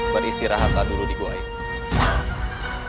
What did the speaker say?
beristirahatlah dulu di gua ini